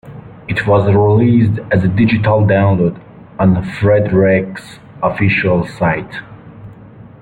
It was released as a digital download on Fredwreck's official site.